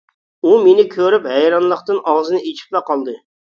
ئۇ مېنى كۆرۈپ ھەيرانلىقتىن ئاغزىنى ئېچىپلا قالدى.